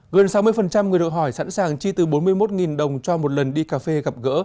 gần sáu mươi người đội hỏi sẵn sàng chi từ bốn mươi một đồng cho một lần đi cà phê gặp gỡ